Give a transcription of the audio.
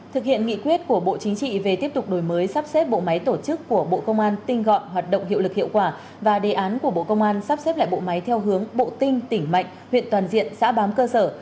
thực hiện nghị quyết của bộ chính trị về tiếp tục đổi mới sắp xếp bộ máy tổ chức của bộ công an tinh gọn hoạt động hiệu lực hiệu quả và đề án của bộ công an sắp xếp lại bộ máy theo hướng bộ tinh tỉnh mạnh huyện toàn diện xã bám cơ sở